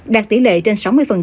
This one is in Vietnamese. đạt tỷ lệ trên sáu mươi